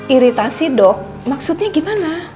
iritasi dok maksudnya gimana